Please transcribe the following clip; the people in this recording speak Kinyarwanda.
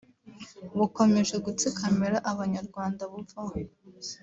bukomeje gutsikamira abanyarwanda buvaho